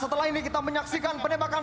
dan kemampuan terbuka